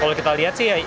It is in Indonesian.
kalau kita lihat sih